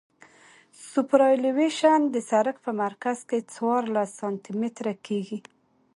سوپرایلیویشن د سرک په مرکز کې څوارلس سانتي متره کیږي